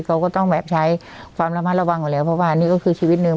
เขาก็ต้องแบบใช้ความระมัดระวังอยู่แล้วเพราะว่านี่ก็คือชีวิตหนึ่ง